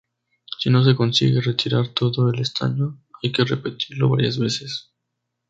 Si no se consigue retirar todo el estaño, hay que repetirlo varias veces.